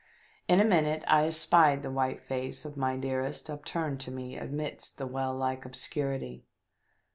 In a minute I espied the white face of my dearest upturned to me amidst the well like obscurity.